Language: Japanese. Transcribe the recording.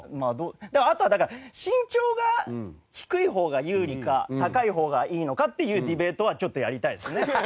あとはだから身長が低い方が有利か高い方がいいのかっていうディベートはちょっとやりたいですね。